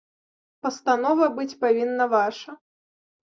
Пастанова быць павінна ваша!